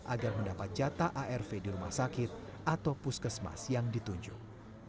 agar mendapat jatah arv di rumah sakit atau puskesmas yang ditunjuk